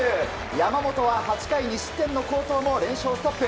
山本は８回２失点の好投も連勝ストップ。